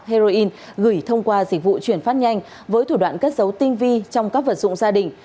heroin gửi thông qua dịch vụ chuyển phát nhanh với thủ đoạn cất dấu tinh vi trong các vật dụng gia đình